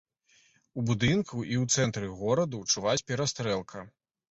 У будынку і ў цэнтры гораду чуваць перастрэлка.